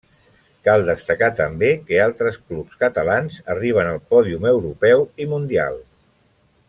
Cal destacar també que altres clubs catalans arriben al pòdium europeu i mundial.